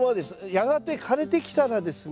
やがて枯れてきたらですね